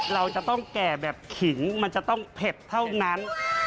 เราจะต้องแก่แบบขิงมันจะต้องเผ็ดเท่านั้น